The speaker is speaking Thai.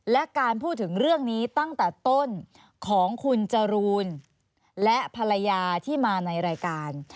และการพูดถึงเรื่องนี้ตั้งแต่ต้นของคุณจรูนและภรรยาที่มาในรายการ